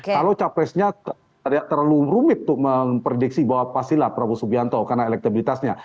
kalau capresnya terlalu rumit untuk memprediksi bahwa pastilah prabowo subianto karena elektabilitasnya